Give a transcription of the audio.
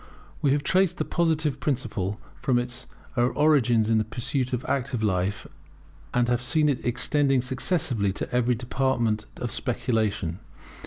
We have traced the Positive principle from its origin in the pursuits of active life, and have seen it extending successively to every department of speculation.